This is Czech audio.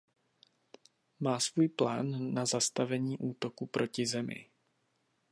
Má svůj plán na zastavení útoku proti zemi.